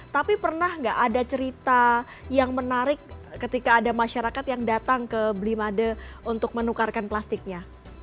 tapi pernah nggak ada cerita yang menarik ketika ada masyarakat yang datang ke blimade untuk menukarkan plastiknya